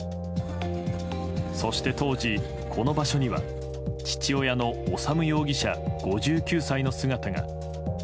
そして当時、この場所には父親の修容疑者、５９歳の姿が。